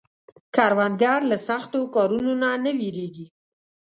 کروندګر له سختو کارونو نه نه ویریږي